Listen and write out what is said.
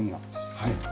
はい。